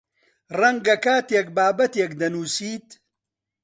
ڕەنگە کاتێک بابەتێک دەنووسیت